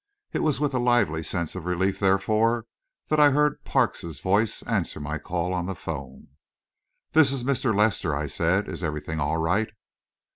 It was with a lively sense of relief, therefore, that I heard Parks's voice answer my call on the 'phone. "This is Mr. Lester," I said. "Is everything all right?"